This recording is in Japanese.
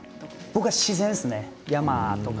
僕は自然ですね、山とか。